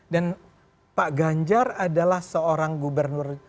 dan pak ganjar adalah seorang gubernur